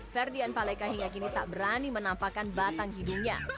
ferdian paleka hingga kini tak berani menampakkan batang hidungnya